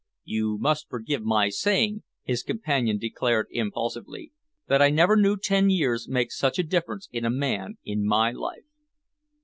"You must forgive my saying," his companion declared impulsively, "that I never knew ten years make such a difference in a man in my life."